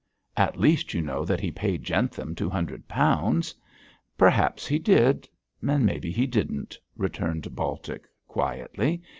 'At least you know that he paid Jentham two hundred pounds.' 'Perhaps he did; maybe he didn't,' returned Baltic, quietly.